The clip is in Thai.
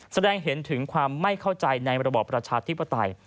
แสดงเห็นถึงความไม่เข้าใจในระบอบประชาธิปไตย